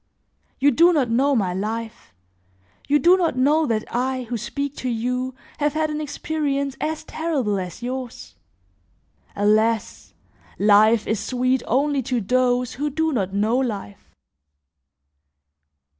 You do not know my life; you do not know that I, who speak to you, have had an experience as terrible as yours. Alas! life is sweet only to those who do not know life.